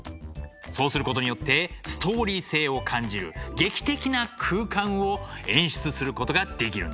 そうすることによってストーリー性を感じる劇的な空間を演出することができるんです。